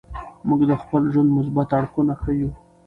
موږ د خپل ژوند مثبت اړخونه ښیو.